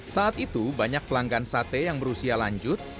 saat itu banyak pelanggan sate yang berusia lanjut